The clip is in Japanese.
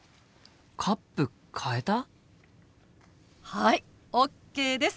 はいＯＫです！